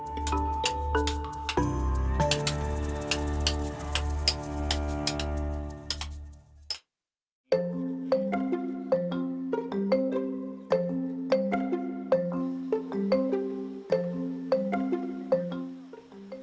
pembuatan pahat tradisional